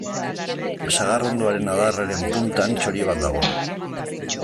Sagarrondoaren adarraren punta txori bat dago.